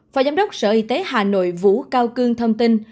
phó giám đốc sở y tế hà nội vũ cao cương thông tin